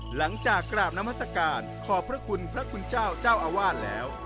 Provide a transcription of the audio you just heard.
หลังจากกราบนามัศกาลขอบพระคุณพระคุณเจ้าเจ้าอาวาสแล้ว